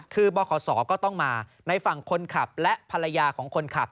คือบขศก็ต้องมาในฝั่งคนขับและภรรยาของคนขับ